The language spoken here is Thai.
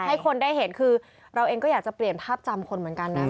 ให้คนได้เห็นคือเราเองก็อยากจะเปลี่ยนภาพจำคนเหมือนกันนะ